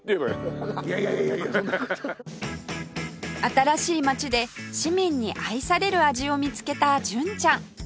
新しい町で市民に愛される味を見つけた純ちゃん